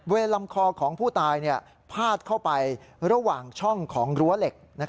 ลำคอของผู้ตายพาดเข้าไประหว่างช่องของรั้วเหล็ก